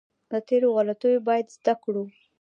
له تېرو غلطیو باید زده کړو.